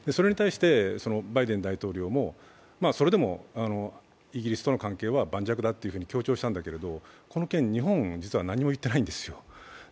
それに対してバイデン大統領もそれでもイギリスとの関係は盤石だというふうに強調したんだけど、この件、日本は実は何も言ってないんですよ。